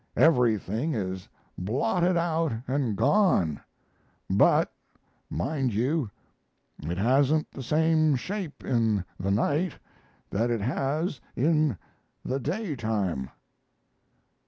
Everything is blotted out and gone. But mind you, it hasn't the same shape in the night that it has in the daytime."